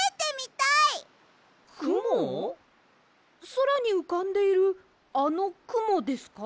そらにうかんでいるあのくもですか？